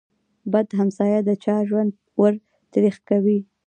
بد همسایه د چا ژوند ور تريخ کوي.